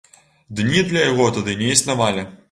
Дні для яго тады не існавалі.